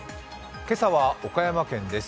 今朝は岡山県です。